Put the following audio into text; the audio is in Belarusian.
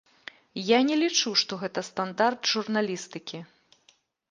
Я не лічу, што гэта стандарт журналістыкі.